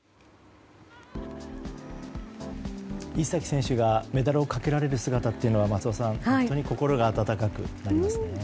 石崎選手がメダルをかけられる姿は松尾さん、本当に心が温かくなりますね。